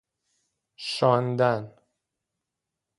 شاندن